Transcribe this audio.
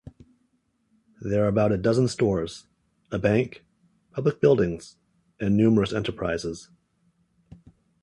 There are about a dozen stores, a bank, public buildings and numerous enterprises.